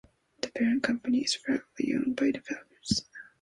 The parent company is privately owned by the Founders.